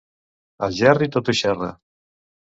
Algerri tot ho xerra.